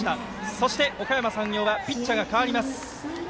そして、おかやま山陽はピッチャーが代わります。